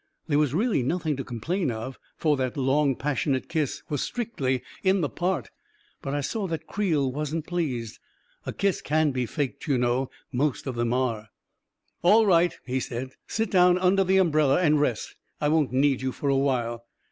There was really nothing to complain of, for that long, passionate ki$3 was A KING IN BABYLON 337 strictly, in the part, but I saw that Creel wasn't pleased. A kiss can be faked, you know; most of them are. "All right," he said. " Sit down under the um brella and rest. I won't need you for awhile."